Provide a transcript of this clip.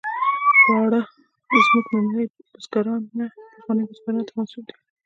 خواړه زموږ ننني بزګرانو نه، پخوانیو بزګرانو ته منسوب دي.